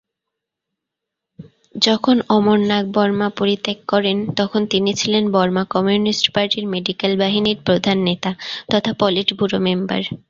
যখন অমর নাগ বর্মা পরিত্যাগ করেন তখন তিনি ছিলেন বর্মা কমিউনিস্ট পার্টির মেডিক্যাল বাহিনীর প্রধান নেতা তথা পলিটব্যুরো মেম্বার।